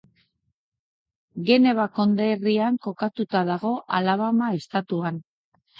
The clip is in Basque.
Geneva konderrian kokatuta dago, Alabama estatuan.